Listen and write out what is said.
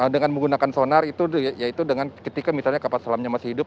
dengan menggunakan sonar itu yaitu dengan ketika misalnya kapal selamnya masih hidup